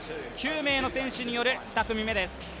９名の選手による２組目です。